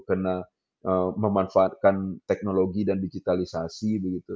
karena memanfaatkan teknologi dan digitalisasi begitu